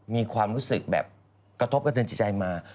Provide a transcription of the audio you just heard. มีความรู้สึกแบบกระทบกระเทือนจิตใจมา